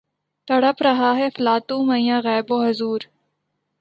تڑپ رہا ہے فلاطوں میان غیب و حضور